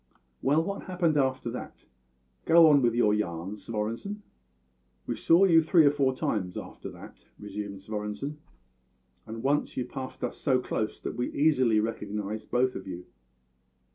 "Well, what happened after that? Go on with your yarn, Svorenssen." "We saw you three or four times after that," resumed Svorenssen, "and once you passed so close that we easily recognised both of you.